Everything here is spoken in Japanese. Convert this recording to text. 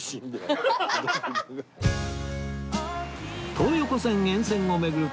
東横線沿線を巡る旅